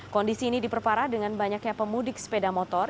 kondisi ini diperparah dengan banyaknya pemudik sepeda motor